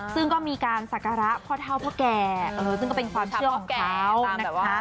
ซึ่งก็มีการสักการะพ่อเท่าพ่อแก่ซึ่งก็เป็นความเชื่อของเขานะคะ